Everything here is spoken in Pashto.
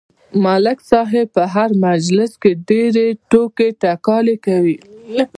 ملک صاحب په هر مجلس کې ډېرې ټوقې ټکالې کوي.